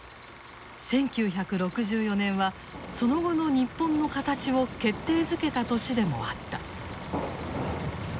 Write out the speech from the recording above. １９６４年はその後の日本の形を決定づけた年でもあった。